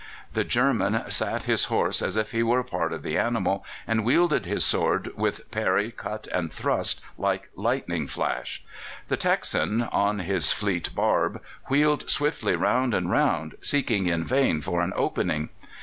The German sat his horse as if he were a part of the animal and wielded his sword with parry, cut, and thrust like lightning flash. The Texan, on his fleet barb, wheeled swiftly round and round, seeking in vain for an opening.